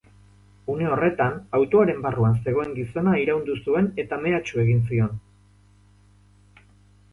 Une horretan, autoaren barruan zegoen gizona iraindu zuen eta mehatxu egin zion.